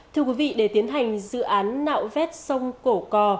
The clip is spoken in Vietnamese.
thưa quý vị để tiến hành dự án nạo vét sông cổ cò